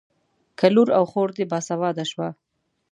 که لور او خور دې باسواده شوه.